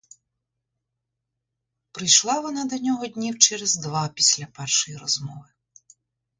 Прийшла вона до нього днів через два після першої розмови.